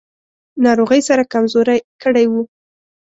ناروغۍ سره کمزوری کړی و.